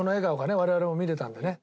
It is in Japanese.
我々も見られたのでね。